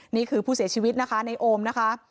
นี่คือผู้เสียชีวิตนะคะในโอมนะคะ